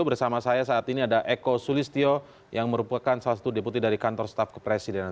bersama saya saat ini ada eko sulistyo yang merupakan salah satu deputi dari kantor staf kepresidenan